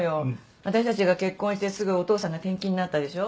私たちが結婚してすぐお父さんが転勤になったでしょ。